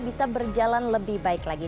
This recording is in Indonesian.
bisa berjalan lebih baik lagi